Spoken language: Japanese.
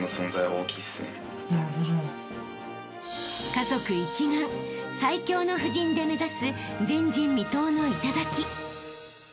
［家族一丸最強の布陣で目指す前人未到の頂］